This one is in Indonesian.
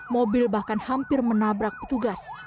mobil bahkan hampir menabrak petugas